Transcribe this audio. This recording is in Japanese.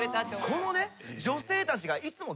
このね。